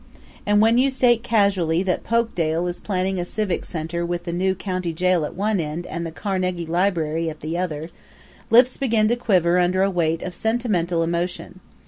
And when you state casually, that Polkdale is planning a civic center with the new county jail at one end and the Carnegie Library at the other, lips begin to quiver under a weight of sentimental emotion.